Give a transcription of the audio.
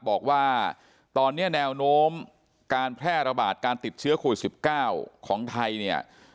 บอกว่าตอนนี้แนวโน้มการแพร่ระบาดการติดเชื้อโควิด๑๙ของไทยเนี่ย